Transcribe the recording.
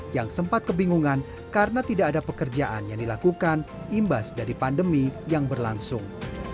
yang sempat kebingungan karena tidak ada pekerjaan yang dilakukan imbas dari pandemi yang berlangsung